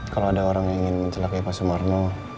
kalau ada orang yang ingin mencelakai pak sumarno